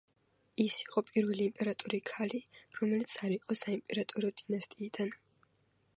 ის იყო პირველი იმპერატორი ქალი, რომელიც არ იყო საიმპერატორო დინასტიიდან.